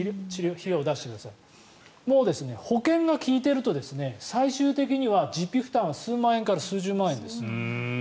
もう保険が利いてると最終的には実費負担は数万円から数十万円ですよ。